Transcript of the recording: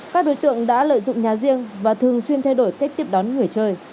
các đối tượng đã lợi dụng nhà riêng và thường xuyên thay đổi cách tiếp đón người chơi